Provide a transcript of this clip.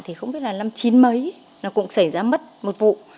thì không biết là năm chín mấy nó cũng xảy ra mất một vụ